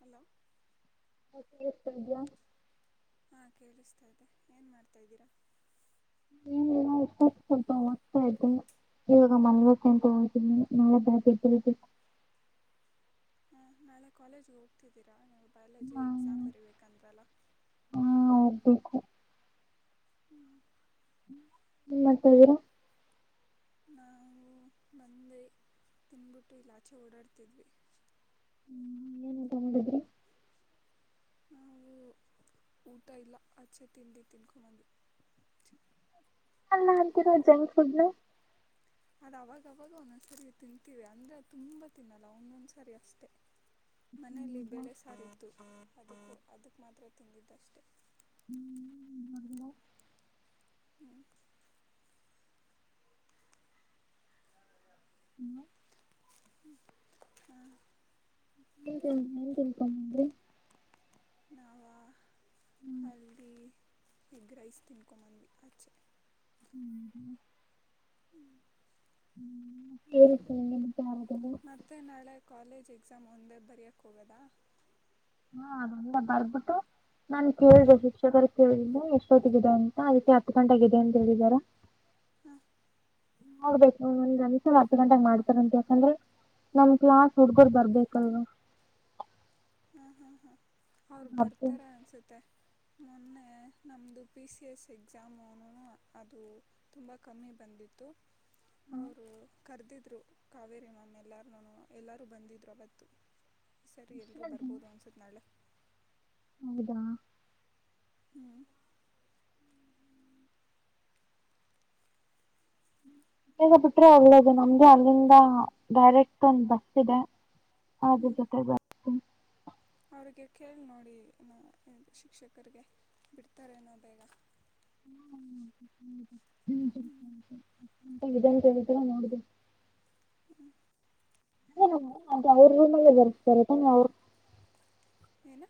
Hello ಹತಿದ ಹಾ ಕೇಳಿಸ್ತಾ ಇತೆ ಏನ್ ಮಾಡ್ತಾ ಇದ್ದೀರಾ ಹ ಸ್ವಲ್ಪ ಹೋಗದ್ತಾ ಇದ್ದೆ ಇವಾಗ ಮಲ್ವಂತ ಹೋಗೀನಿ ನಳೆ ಬ ಹಾ ನಾಳೆ ಕಾಲೇಜ್ಗೆ ಹೋಗ್ತಿದ್ದೀರಾ ನೀವು ಲ್ಲಿ ಎಾಮ ಬರ ಕಂದ್ರಲ್ಲ ಹಾ ಹೋಗಬೇಕು ಹ್ಞೂ ್ಮ ಮತ್ತದಾ ನಾವು ಬಂದೆ ತಿನ್ಬಿಟ್ಟು ಇಲ್ಲಾ ಆಚೆ ಓಡಾಡ್ತಿದ್ವಿ ಏನು ಊಟ ಮಾಡಿದ್ರಿ ನಾವು ಊಟ ಇಲ್ಲ ಅಚ್ಚೆ ತಿಂಡಿ ತಿನ್ಕೊಂಬಂದು ಅಲ್ಲಾ ಅಂತೀರ ಜಂಕ್ ಫುಡ್ನು ಅದ ಅವಾಗವಾಗ ಒಂದೊಂದ್ಸರಿ ತಿಂತೀವಿ ಅಂದ್ರೆ ತುಂಬಾ ತಿನ್ನಲ್ಲ ಒಂದೊಂದ್ಸರಿ ಅಷ್ಟೆ ಮನೇೆಯಲ್ಲಿ ಹೌದಾ ಬೆಳೆ ಸಾರತು ಅದ ಅದಕ್ ಮಾತ್ರ ತಿಂದಿದ್ದಷ್ಟೆ ಹ್ಮ್ ಹ ಏನ್ ಏನ್ ಕಳ್ತ ಅೆ [unintelligible] ನಾಾವ ಅಲ್ದಿ ಎಗ್ ರೈಸ್ ತಿನ್ಕೊಂಬಂದ್ವಿ ಆಚೆ ಕೇತೀನೆ ನಿ ಮತ್ತೆ ನಾಳೆ ಕಾಲೇಜ್ ಎಕ್ಸಾಮ್ ಒಂದೇ ಬರಯೋಕ್ಕೆ ಹೋಗೋದಾ ಹಾ ಅಲ್ಲ ಬರ್ಬಿಟ್ಟು ನಾನ್ ಕೇಳ್ದ ಹಾಂ ಶಿಕ್ಷಕರ ಕೇಳ್ದ ಎಷ್ಟ ೋಟಗಿದೆ ಅಂತ ಅದಕ್ಕೆ ಹತ್ತು ಗಂಟೆಗಿದೆ ಅಂತ ಹೇಳಿದಾರಾ ಹಾಂ ಹೋಗ್ಬೇಕು ಒಂದ್ಮ್ಷಲ ಹತ್ತು ಗಂಟಾಗ ಮಾಡ್ತಾರಂತ ಯಾಕಂದ್ರೆ ನಮ್ ಕ್ಲಾಸ್ ಹುಡ್ಗರು ಬರ್ಬೇಕಲ್ವಾ ಅವರು ಬರ್ತೀವಿ ಬರ್ತಾರ ಅನ್ಸುತ್ತೆ ಮೊನ್ನೆ ನಮ್ದು ಪಿ ಸಿ ಎಸ್ ಎಕ್ಸಾಮು ಅದು ತುಂಬಾ ಕಮ್ಮಿ ಬಂದಿತ್ತು ಅವರು ಕರ್ದಿದ್ದ ರು ಕಾವೇರಿ ಮಾಮ್ ಎಲ್ಲಾರನು ಎಲ್ಲಾರೂ ಬಂದಿದ್ರು ಅವತ್ತು ಸರಿಯ ಬೋದು ಅನ್ಸತ್ತ್ ನಾಳೆ ಹೌದಾ ಹ್ಮ್ ಬೇಗ ಬುಟ್ರೆ ಒಳ್ಳೆದೆ ನಮ್ಗು ಅಲ್ಲಿನ್ ಹ ಡೈರೆಕ್ಟ್ ಒಂದ್ ಬಸ್ ಸಿದೆ ಆದ್ರು ಹ್ಞೂ ಜೊತೆ ಬರ್ತಿನ್ ಅವರಿಗೆ ಕೇಳಿ ನೋಡಿ ನ ಶಿಕ್ಷಕರಿಗೆ ಬಿಡ್ತಾರೆನೋ ಬೇಗ ಹ್ಮ್ ಇದೊಂತೆರಿ ತರ ನೋಡ್ದೆ ಹ ಹ ಅ ಅವ್ರ ರೂಮಲ್ಲೆ ಬರ್ಸ್ತಾರೆ ತಾನೆ ಅವ್ರ್ ಏನ?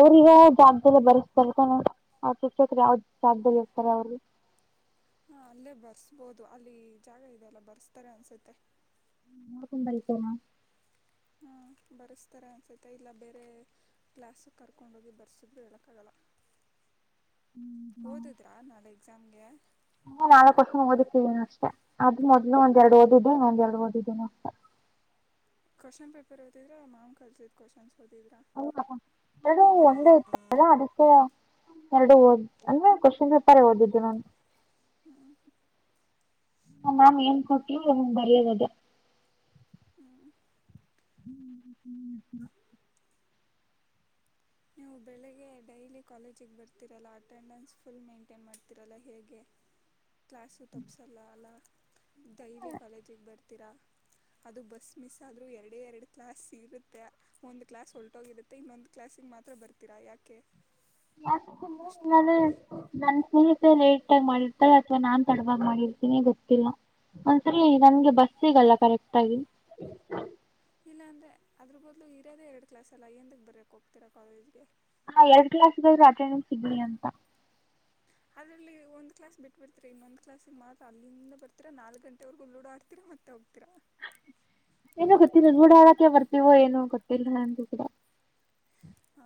ಅವ್ರಗ ಜವಾಬ್ದಾರಿ ಬರ್ಸ್ತಾರೆ ತಾನೆ ಅವ್ರ ಶಿಕ್ಷಕರು ಯಾವ್ದ ಜಾಗ್ದಲ್ಲಿರ್ತಾರೆ ಅವ್ರು? ಹೌದು ಅಲ್ಲಿ ಜಾಗ ಇದೆ ಅಲ್ಲ ಬರ್ಸ್ತಾರೆ ಅನ್ಸುತ್ತೆ ಕುಂಬಲಿ ಕೋನ ಹಾಂ ಬರೆಸ್ತಾರೆ ಅನ್ಸುತ್ತೆ ಇಲ್ಲ ಬೇರೆ ಕ್ಲಾಸಿಗ್ ಕರ್ಕೊಂಡೋಗಿ ಬರೆಸಿದ್ರು ಹೇಳಕ್ಕಾಗಲ್ಲ ಓದದ್ರಾ ನಾಳೆ ಎಕ್ಸಾ ನಂಗೆ ಹ ನಾಲ್ಕು ವರ್ಷ ಓದಕ್ಕಿದ್ದೀನ ಅಷ್ಟ ಅದ ಮೊದ್ಲು ಒಂದ್ ಎರಡು ಓದಿದ್ದೆ ಒಂದ್ ಎರಡು ಓದಿದ್ದೀನ ಅಷ್ಟೆ. ಪೇಪರ್ ಇದ್ದಿದ್ರೆ ಮಾಮ್ ಕಲ್ಸಿದ ಕ್ವೇಷನ್ಸ್ ಹ ಇದು ಒಂದು ಇತ್ತಲ ಅದಕ್ಕೆ ಎರಡು ಓದ್ ಅಂದ್ರೆ ಕ್ವಶನ್ ಪೇಪರ್ ಓದಿದ್ದು ನಾನು ಹ್ಮ್ ಮ್ಯಾಮ್ ಏನ್ ಕೊಟ್ರುಂಗ್ ಬರೆಯೋದ್ ಅದೇ ಹ್ಞೂ ಹ್ಮ್ ಹ್ಮ್ ಹ್ಮ ನೀವು ಬೆಳಗ್ಗೆ ಡೈಲಿ ಕಾಲೇಜಿಗೆ ಬರ್ತಿರಲ್ಲ ಅಟೆಂಡೆನ್ಸ್ ಫುಲ್ ಮೇಂಟೈನ್ ಮಾಡ್ತೀರಲ್ಲ ಹೇಗೆ? ಕ್ಲಾಸು ತಪ್ಸಲ್ಲ ಅಲ ಡೈಲಿ ಕಾಲೇಜಿಗ್ ಬರ್ ತೀರ ಅದು ಬಸ್ ಮಿಸ್ ಆದ್ರೂ ಎರಡೇ ಎರಡು ಕ್ಲಾಸ್ ಇರುತ್ತೆ ಒಂದ್ ಕ್ಲಾಸ್ ಹೊಲ್ಟೋಗಿರುತ್ತೆ ಇನ್ನೊಂದ್ ಕ್ಲಾಸಿಗ್ ಮಾತ್ ತ್ರ ಬರ್ತೀರಾ ಯಾಕೆ? ಯಾಕಂದ್ರೆ ಅಷ್ಟು ನಾನು ನನ್ ಫೀಸ್ ಲೇಟ್ ಆಗಿ ಮಾಡಿರ್ತಾಳೆ ಅಥವಾ ನಾನ್ ತಡವಾಗಿ ಮಾಡಿರ್ತೀನಿ ಗೊತ್ತಿಲ್ಲ ಒಂದ್ಸರಿ ನನ್ಗೆ ಬಸ್ ಸಿಗಲ್ಲ ಕರೆಕ್ಟ್ ಆಗಿ ಇಲ್ಲಾಂದರೆ ಅದ್ರ ಬದಲು ಇರೊದೇ ಎರಡು ಕ್ಲಾಸೆಲ್ಲ ಏಂತಕ್ ಬರಿಯಕ್ ಹೋಗ್ತೀರಾ ಕಾಲೇಜ್ ಗೆ? ಹಾ ಎರಡ್ ಕ್ಲಾಸ್ ಗಾದ್ರು ಅಟೆಂಡೆನ್ಸ್ ಸಿಗ್ಲಿ ಅಂತ ಅದ್ರಲ್ಲಿ ಒಂದು ಕ್ಲಾಸ್ ಬಿಟ್ಟಟ್ಬರ್ತೀರಾ ಇನ್ನೊಂದು ಕ್ಲಾಸ್ಗೆ ಮಾತ್ರ ಅಲ್ಲಿಂದ ಬರ್ತೀರಾ ನಾಲ್ಕ್ ಗಂಟೆವರೆಗೂ ಲೂಡ ಆಡ್ತೀರ ಮತ್ತೆ ಹೋಗ್ತೀರಾ. ಏನೋ ಗೊತ್ತಿಲ್ಲ ಲೂಡ ಆಡಕೆ ಬರ್ತಿವೋ ಏನೋ ಗೊತ್ತಿಲ್ಲ ನಂಗೂ ಕೂಡ. ಹ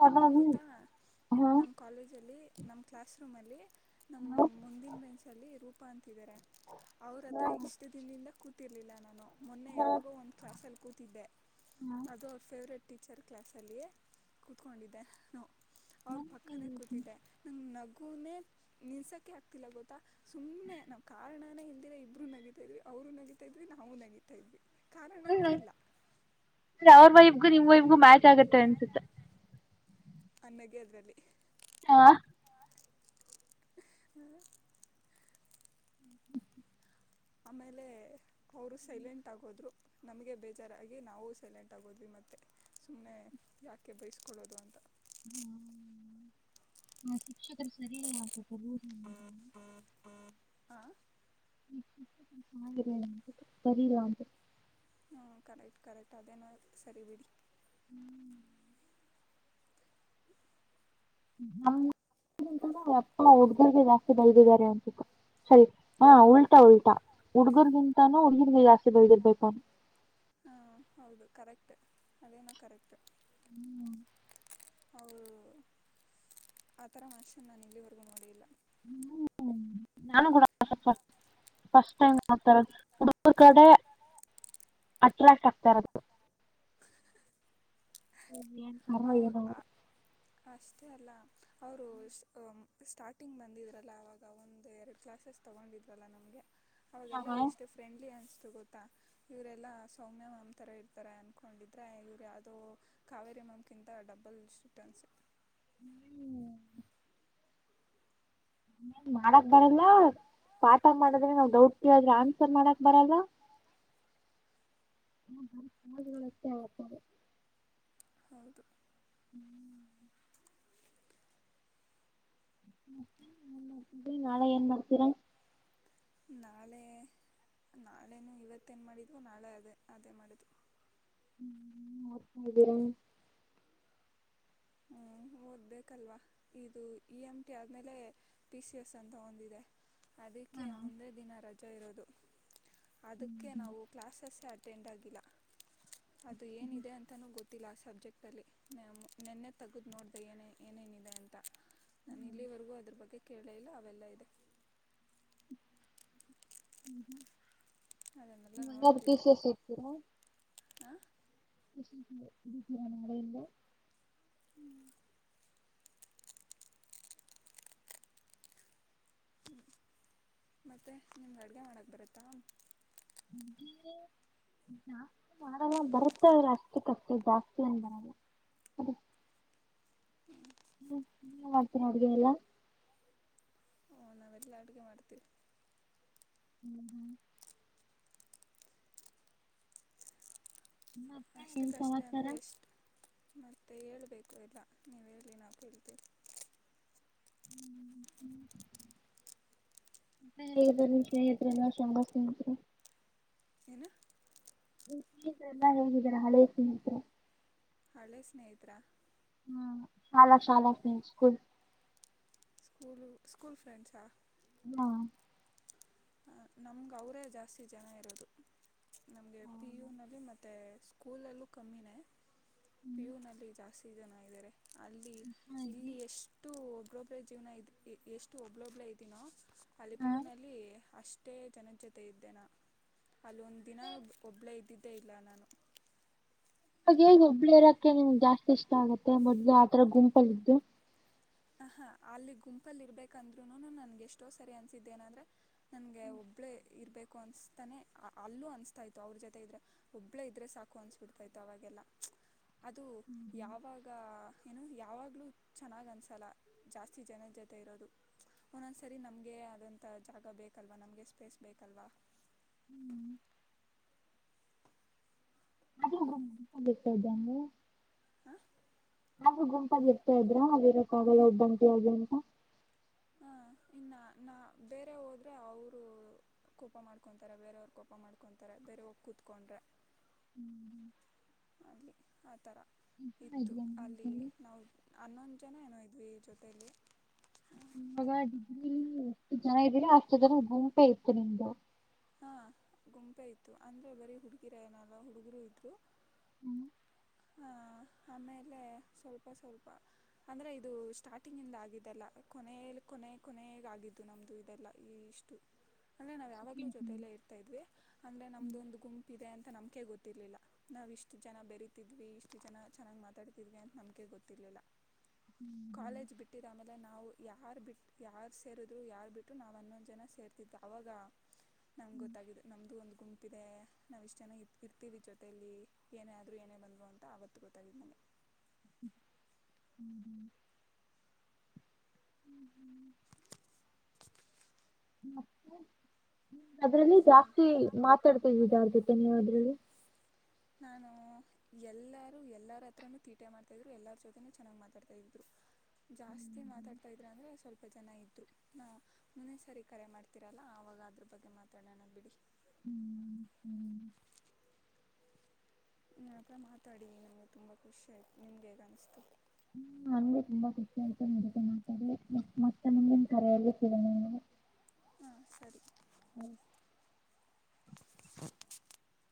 ಹಾ ನಿಮ್ ಗೊತ್ತಾ ಹಾ ನಮ್ ಕಾಲೇಜ ಅಲ್ಲಿ ನಮ್ ಕ್ಲಾಸ್ ರೂಮ ಅಲ್ಲಿ ನಮ ಮುಂದಿನ ಬೆಂಸಲ್ಲಿ ರೂ ಅವ್ರತ್ರ ಇಷ್ಟ ಹಾ ದಿನದಿಂದ ಕ ಎಲ್ಲನನೋ ಮೊನ್ನೆ ಯಾವಾದೋ ಒಂದೂ ಕ್ಲಾಸ್ ಸಲ್ಲಿಸಿ ಕೂತಿದ್ದ ತಿ ಹಾ ಬೆ ಅದು ಫೆವರೇಟ್ ಟೀಚರ್ ಕ್ಲಾಸ್ ಅಲ್ಲಿ ಇದನ್ನು ಅವ್ರ ಪಕ್ಕಾನ ಕೂತಿದ್ದ ನಂಗ ನಗು ನಿ ನಿಸಕ್ಕೆ ಹಕ್ತಿಲ ಗೋತ ಸುಮ್ಮನೆ ನಾವು ಕಾರಣ ನಾ ಹಿಂದಿರ ಇಬ್ಬರು ನಗಿತಾ ಇದ್ವಿ ಅವರು ನಗಿತಾ ಇದ್ವಿ ನಾವು ನಗಿತತಾ ಇದ್ವಿ ಕಾರಣನೇ ಹ ಇಲ್ಲ ಅ ಅವ್ರ ವೈಬ್ಗೂ ನಿಮ್ ವೈಬ್ಗೂ ಮ್ಯಾಚ್ ಆಗತ್ತೆ ಅನ್ಸುತ್ತೆ ಅನ್ನಗೆ ಅದ್ರಲ್ಲಿ ಹಾ ಹ ಆಮೇಲೆ ಅವರು ಸೈಲೆಂಟ್ ಆಗೋದ್ರು ನಮಗೆ ಬೇಜಾರಾಗಿ ನಾವು ಸೈಲೆಂಟ್ ಆಗೋದ್ವಿ ಮತ್ತೆ ಸುಮಮ್ಮನೆ ಯಾಕೆ ಬಯಸ್ಕೊಳ್ಳೋದು ಅಂತ ಆ ಶಿಕ್ಷಕರು ಸರಿಲ್ಲ ಅ ಹಾಂ ಸರಿಲ್ಲ ಅಂತ ಕರೆಕ್ಟ್ ಅದೇನೋ ಸರಿ ಬಿಡಿ ಹ್ಮ್ ಗಿ ಅಪ್ಪ ಹುಡ್ಗರ್ಗೆ ಜಾಸ್ತಿ ಬೆಳದಿದ್ದಾರೆ ಅನ್ಸಿತ್ತು ಸರಿ ಹ ಉಲ್ಟಾ ಉಲ್ಟಾ ಹುಡ್ಗರ್ಗಿಂತಾನೂ ಹುಡ್ಗರ್ಗೆ ಜಾಸ್ತಿ ಬೈದಿರ್ಬೇಕು ಅವ್ನು ಹಾ ಹೌದು ಕರೆಕ್ಟ್ ಅದೇನು ಕರೆಕ್ಟ್ ಹ್ಮ್ ಅವರು ಆತರ ಮನುಷ್ಯನ್ ನಾನು ಇಲ್ಲಿವರ್ಗೂ ನೋಡಿಲ್ಲ ಹ್ಮ ನಾನು ಕೂಡ ಫಸ್ಟ್ ಟೈಮ್ ನೋಡ್ತಾರೋದು ಅವರದು ಕಡೆ ಅಟ್ರಾಕ್ಟ್ ಆಗ್ತಾ ಇರೋದು ಏನ್ ಅವು ಪರವಾಗಿನ ಅವರು ಅಷ್ಟೇ ಅಲ್ಲ ಅವರು ಸ್ಟಾರ್ಟಿಂಗ್ ಬಂದಿದ್ರಲ್ಲ ಅವವಾಗ ಒಂದು ಎರಡು ಕ್ಲಾಸಸ್ ತೊಗೊಂಡಿದ್ರಲ್ಲ ನಮಗೆ ಅವಾಗೆಲ್ಲಾ ಏನೋ ಎಷ್ಟು ಫ್ರೆಂಡ್ಲಿ ಅನ್ತ ಗೊತ್ತಾ ಇವರೆಲ್ಲಾ ಸೌಮ್ಯ ಮಾಮತಾರ ಇರ್ತಾರೆ ಅನ್ಕೊಂಡಿದ್ರೆ ಇವ್ರು ಯಾವ್ದೋ ಕಾವೇರಿ ಮಾಮ ಒಂದ ಕಿಂತ ಡಬ್ಬಲ್ ತೇಟನ್ಸ ಹ್ಮ್ ಏನ್ ಮಾಡಕ್ ಬರಲ್ಲ ಪಾಠ ಮಾಡದ್ರೆ ನಾವು ಡೌಟ್ ಕೇಳಿದ್ರೆ ಆನ್ಸರ್ ಮಾಡಕ್ ಬರಲ್ಲ ಹತ ಅಂಗ್ರ ಹೌದು ಇಬರು ನಾಳೇ ಏನ್ ಮಾಡ್ತೀರ ನಾಳೆ ನಾಳೆ ಇವತ್ತೇನು ಮಾಡಿದ್ವು ನಾಳೆ ಅದೇ ಅದೇ ಮಾಡಿದ್ವು ಹ್ಮರನು ಹ್ಮ್ ಓದ್ಬೇಕಲ್ವಾ ಇದು ಇ ಎಂ ಟಿ ಆದ್ಮೇಲೆ ಪಿ ಸಿ ಎಸ್ ಅಂತ ಒಂದಿದೆ ಅದಕ್ಕೆ ಮುಂದೆ ದಿನ ರಜೆ ಇಷ್ಟ ಇರೋದು ಅದಕ್ಕೆ ನಾವು ಕ್ಲಾಾಸಸ್ ಆವಿ ಅಟೆಂಡ್ ಆಗಿಲ್ಲ ಅದು ಏನಿದೆ ಅಂತನೂ ಗೊತ್ತ ತಿ ಲಾಸ್ ಸಬ್ಜೆಟಲ್ಲಿ ಮ್ಯಾಮೂ ನೆನ್ನೆ ತಗ್ದು ನೋಡ್ದೆ ಏನೇ ಏನೇನಿದೆ ಅಂತ ನಾನ ಇಲ್ಲಿವರೆಗೂ ಅದ್ರ ಬಗ್ಗೆ ಕೇಳೆ ಇಲ್ಲ ಅವೆಲ್ಲ ಇದೆ ಹ್ಮ್ ಹ್ಮ್ ಅದನ್ನೆಲ್ಲ ನಿಮ್ಗಾಗಿ ಪೀಸ್ ನೋಡ್ತಿದ್ದೆ ಎಸ್ ಇರ್ತೀರಾ ಹಾಂ ಷರ ಎಲ್ಲ [unintelligible] ಹ್ಮ್ ಮತ್ತೆ ನಿಮ್ಗ ಅಡ್ಗೆ ಮಾಡಕ್ ಬರತ್ತಾ ಜಾಸ್ತಿ ಮಾಡಲ್ಲ ಬರುತ್ತೆ ಅದ್ರ್ ಅಷ್ಟಕ್ಕಷ್ಟೆ ಜಾಸ್ತಿ ಏನ್ ಬರಲ್ಲ ಅದ ಹ್ಮ್ ಹ್ಮ ನೀವು ಮಾಡ್ತೀರಾ ಅಡ್ಗೆ ಎಲ್ಲ ಹ್ಮ್ಮ್ ನಾವೆಲ್ಲ ಅಡುಗೆ ಮಾಡ್ತೀವಿ ಹ್ಮ್ ಹ್ಮ್ ಮತ್ತ ಏನ್ ಅಷ್ಟಕ್ಕಷ್ಟೇ ಸಮಾಚಾರ ಅಂದರೆ ಎಷ್ಟು ಮತ್ತೆ ಹೇಳ್ಬೇಕು ಎಲ್ಲ ನೀವು ಹೇಳಿ ನಾವ ಕೇಳ್ತೀವಿ ವಿಷಯ ಇದ್ರೆ ನ ಶಂಗಸ್ [unintelligible] ಏನ ನೀವೆಲ್ಲ ಹೇಗಿದ್ದೀರ ಹಳೆಯ ಸ್ನೇಹಿತ್ರ ಹಳೆ ಸ್ನೇಹಿತ್ರಾ ಹ್ಮ್ ಶಾಲಾ ಶಾಲಾ ನಿಮ್ ಸ್ಕೂಲ್ ಸ್ಕೂಲ್ ಸ್ಕೂಲ್ ಫ್ರೆಂಡ್ಸಾ ಹಾ ನಮ್ಗ ಅವರೇ ಜಾಸ್ತಿ ಜನ ಇರೋದು ನಮಗೆ ಪಿ ಯುನಲ್ಲಿ ಮತ್ತು ಸ್ಕೂಲಲ್ಲೂ ಕಮ್ಮಿನೇ ಹ್ಮ್ ಪಿಯುನಲ್ಲಿ ಜಾಸ್ತಿ ಸ್ತಿ ಜನ ಇದಾರೆ ಅಲ್ಲಿ ಶಾಲಾ ಶಾಲಾ ಫ್ರೆಂಡ್ಸ್ ಇಲ್ಲಿ ಸ್ಕೂಲ್ ಎಷ್ಟು ಕ್ರೋಬ್ರೆ ಜೀವನ ಇದೀ ಇ ಎಷ್ಟು ಒಬ್ಳೊಬ್ಳೇ ಇದೀನೋ ಅಲ್ಲಿ ಹಾ ಹಾ ಪಿಯೂನಲ್ಲಿ ಅಷ್ಟು ಷ್ಟೇ ಜನ ಜೊತೆ ಇದ್ದೆ ನಾ ಅಲ್ಲೊಂದು ದಿನನೂ ಒಬ್ಬಳೇ ಇದ್ದಿದ್ದೇ ಇಲ್ಲ ನಾನು ಅವಾಗೇಗ ಒಬ್ಬಳೇ ಇರೋಕ್ಕೆ ನಿಮ್ಗೆ ಜಾಸ್ತಿ ಇಷ್ಟ ಆಗತ್ತೆ ಮೊದ್ಲು ಆತರ ಗುಂಪಲ್ಲಿದ್ದು ಹ ಹಾ ಅಲ್ಲಿ ಗುಂಪಲ್ಲಿ ಇರ್ಬೇಕಂದ್ರು ನನ್ಗೆ ಎಷ್ಟೋ ಸರಿ ಅನ್ಸಿದ್ದೆ ಏನಂದ್ರೆ ನನ್ಗೆ ಒಬ್ಳೆ ಇರ್ಬೇಕು ಅನ್ಸ್ತಾನೆ ಅಲ್ಲೂ ಅನ್ಸ್ತಾ ಇತ್ತು ಅವ್ರ ಜೊತೆ ಇದ್ರೆ ಒಬ್ಳೆ ಇದ್ರೆ ಸಾಕು ಅನ್ಸ್ಬಿಡ್ತಾ ಇತ್ತು ಅವಾಗೆಲ್ಲ ಅದು ಯಾವಾಗ ಏನು ಯಾವಾಗ್ಲೂ ಚೆನ್ನಾಗ್ ಅನ್ಸ ಸಲ ಜಾಸ್ತಿ ಜನ ಜೊತೆ ಇರೋದು ಒಂದೊಂದ್ಸರಿ ನಮಗೆ ಆದಂಥ ಜಾಗ ಬೇಕಲ್ವಾ ನಮಗೆ ಸ್ಪೇಸ್ ಬೇಕಲ್ವಾ ಹ್ಮ್ ಅೇಕ್ದ [unintelligible] ಹಾಂ ಹಾಗು ಗುಂಪಾಗಿ ಇರ್ತಾ ಇದ್ರ ಆಗಿರಕ್ಕ ಆಗಲ್ಲ ಒಬ್ಬಂಟಿಯಾಗಿ ಅಂತ ಇನ್ನ ನಾ ಬೇರೆ ಹೋದರೆ ಅವರು ಕೋಪ ಮಾಡ್ಕೊಂತಾರೆ ಬೇರೆಯವ್ರ ಕೋಪ ಮಾಡ್ಕೊಂತಾರೆ ಬೇರೆ ಹೋಗ ಕೂತ್ಕೊಂಡ್ರೆ ಆಗಲಿ ಆ ಥರ ಹಾ, ಇತ್ತು ಇದ್ವಿ ನಮ್ ಅಲ್ಲಿ ಗುಂಪಲ್ಲಿ. ನಾವು ಅನ್ನೊಂದು ಜನ ಏನೋ ಇದ್ವಿ ಜೊತಲಿ ಇವಾಗ ಡಿಗ್ರಿಯಲ್ಲಿ ಎಷ್ಟು ಜನ ಇದ್ದೀರಾ ಅಷ್ಟು ಜನ ಗುಂಪೆ ಇತ್ತು ನಿಮ್ದು ಹಾ ಗುಂಪೆ ಇತ್ತು ಅಂದ್ರ ಬರಿ ಹುಡುಗಿರೆನಲ್ಲ ಹುಡುಗರು ಇದ್ರು ಹ್ಮ್. ಹ ಆಮೇಲೆ ಸ್ವಲ್ಪ ಸ್ವಲ್ಪ ಅಂದ್ರೆ ಇದು ಸ್ಟಾರ್ಟಿಂಗಿಂದ ಆಗಿದ್ದಲ್ಲ ಕೊನೆಯಲಿ ಕೊನೆ ಕೊನೆಗ ಆಗಿದ್ದು ನಮ್ದು ಇದೆಲ್ಲ ಈ ಇಷ್ಟು ಅಂದ್ರೆ ನಾವ್ಯಾವಗಲೂ ಸೆಕೆಂಡ್ ಪಿ ಜೊತೆ ಯು. ಯಲ್ಲೇ ಇರ್ತಾ ಇದ್ವಿ ಅಂದ್ರೆ ನಮ್ದ ಹ್ಮ್. ಒಂದು ಗುಂಪ್ ಇದೆ ಅಂತ ನಮ ಕೆ ಗೊತ್ತಿರ್ಲಿಲ್ಲ ನಾವವು ಇಷ್ಟು ಜನ ಬೆರೀತಿದ್ವಿ ಇಷ್ಟು ಜನ ಚೆನ್ನಾಗಿ್ ಮಾತಾಡ್ತಿದ್ವಿ ಅಂತ ನಂಬಿಕೆ ಗೊತ್ತರ್ಲಿಲ್ಲ ಕಾಲೇಜ್ ಬಿಟ್ಟಿ ತಾಮ [inaudible] ಇಲ್ಲ ನಾವು ಯಾರ್ ಬಿಟ್ಟ ಯಾರ ಸೇರಿದ್ರು ಯಾರ್ ಬಿಟ್ಟರು ನಾವವು ಹನ್ನೊಂದ್ ಜನ ಸೇರ್ತಿದ ಅವಾಗ ನಮ್ ಗೊತ್ತಿದ್ದ ನಮ್ದು ಒಂದು ಗುಂ ತಪ್ಪಿದೆ ನಾವು ಇಷ್ಟು ಜನ ಇ ಇರ್ತೀವಿ ಜೊತೆಯಲ್ಲಿ ಏನೇ ಆದರೂ ಏನೇ ಬಂದರು ಅಂತ ಆವತ್ತು ಗೊತ್ತಾಗಾಗಿದೆು ನಮಗೆ ಹ್ಮ್ ಹ್ಮ ಹ್ಮ ಹ್ಮ ಮತ್ತ ಅದ್ರಲ್ಲಿ ಹ್ಞೂ ಜಾಸ್ತಿ ಮಾತಾಡ್ತಿದ್ವಿದಾರ್ಥ ನ್ ಮಾಡ್ರದು ನಾನು ಎಲ್ಲರೂ ಎಲ್ಲರ ಹತ್ರನುೂ ತೀಟೆ ಮಾಡ್ತಾ ಇದ್ರು ಎಲ್ಲರ ಜೊತೆನೂ ಚೆನ್ನಾಗ್ ಮಾತಾಡ್ತಾ ಇದ್ರು ಜಾಸ್ತಿ ಮಾತಾಡ್ತಾ ಇದ್ರ ಅಂದ್ರರೆ ಸ್ವಲ್ಪ ಜನ ಇದ್ರು ನಾ ಮುಂದೆ ಸಾರಿ ಕರೆ ಮಾಡ್ತರಲ್ಲ ಆವಾಗ ಅದ್ರ ಬಗ್ಗೆ ಮಾತಾಡೋಣ ಬಿಡಿ ಹ್ಮ್ ಹ್ಮ್. ನ ಹತ್ರ ಮಾತಾಡಿ ನಮ್ಗೆ ತುಂಬಾ ಖುಷಿ ಆಯ್ತು ನಿಮ್ಗೆ ಹೇಗ ಅನ್ಸ್ತು ಹ್ಮ ನನ್ಗೆ ತುಂಬಾ ಖುಷಿ ಆ್ತ ಮದೆ ಮಾ ಸ [inaudible] ಹಾ ಸರಿ [inaudible] ಹ [inaudible]